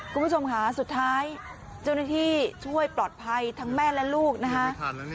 คุณผู้ชมค่ะสุดท้ายเจ้าหน้าที่ช่วยปลอดภัยทั้งแม่และลูกนะคะ